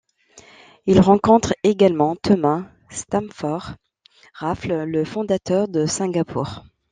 Il rencontre également Thomas Stamford Raffles, le fondateur de Singapour.